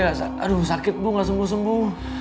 aduh sakit bu nggak sembuh sembuh